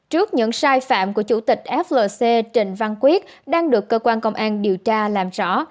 trước những sai phạm của chủ tịch flc trình văn quyết đang được cơ quan công an điều tra làm rõ